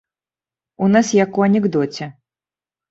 У нас як у анекдоце.